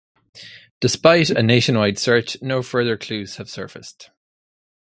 Despite a nationwide search, no further clues have surfaced.